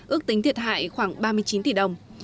ước tính thiệt hại khoảng ba mươi chín tỷ đồng